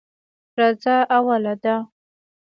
راځه اوله ده.